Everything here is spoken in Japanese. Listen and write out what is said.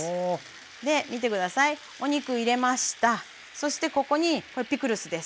そしてここにピクルスです。